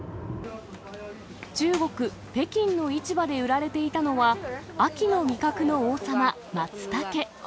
中国・北京の市場で売られていたのは、秋の味覚の王様、マツタケ。